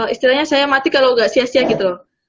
istilahnya saya mati kalau nggak sia sia gitu loh